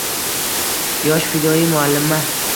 Yosh, fidoyi muallima